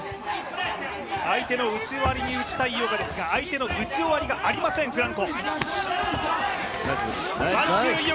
相手の打ち終わりに打ちたい井岡ですが、相手の打ち終わりがありません、フランコ。